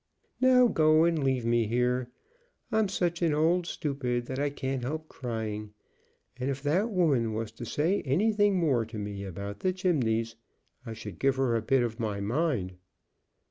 "Now go, and leave me here. I'm such an old stupid that I can't help crying; and if that woman was to say anything more to me about the chimneys I should give her a bit of my mind."